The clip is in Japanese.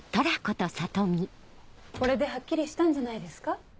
これではっきりしたんじゃないですか？